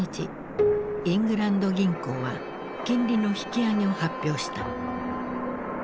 イングランド銀行は金利の引き上げを発表した。